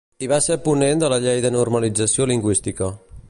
I va ser ponent de la llei de normalització lingüística.